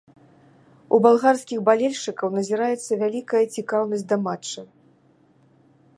У балгарскіх балельшчыкаў назіраецца вялікая цікаўнасць да матча.